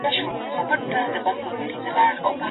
د ناروغانو باور د درملنې په اغېز کې مهم دی.